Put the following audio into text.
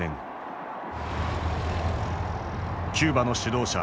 キューバの指導者